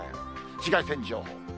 紫外線情報。